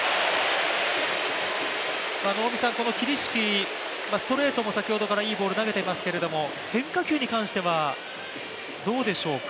桐敷、ストレートも先ほどからいいボールを投げていますけど変化球に関してはどうでしょうか。